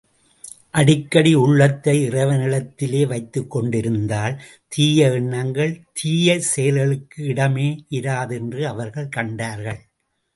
அடிக்கடி உள்ளத்தை இறைவனிடத்திலே வைத்துக் கொண்டிருந்தால் தீய எண்ணங்கள், தீய செயல்களுக்கு இடமே இராது என்று அவர்கள் கண்டார்கள்.